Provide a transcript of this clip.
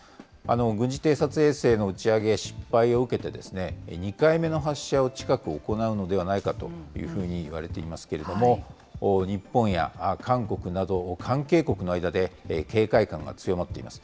軍事偵察衛星の打ち上げ失敗を受けて、２回目の発射を近く行うのではないかというふうにいわれていますけれども、日本や韓国など、関係国の間で、警戒感が強まっています。